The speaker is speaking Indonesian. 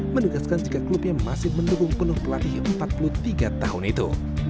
menegaskan jika klubnya masih mendukung penuh pelatih empat puluh tiga tahun itu